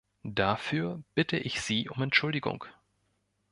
Dafür bitte ich Sie um Entschuldigung.